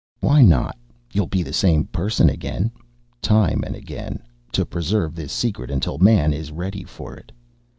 Why not? You'll be the same person again. Time and again, to preserve this secret until Man is ready for it.